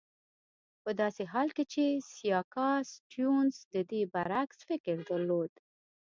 په داسې حال کې چې سیاکا سټیونز د دې برعکس فکر درلود.